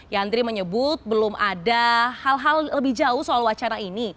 yandri menyebut belum ada hal hal lebih jauh soal wacana ini